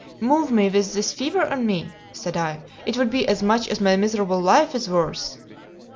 "Move me with this fever on me?" said I; "it would be as much as my miserable life is worth."